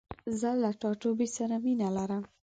زه له خپل ټاټوبي سره مينه لرم.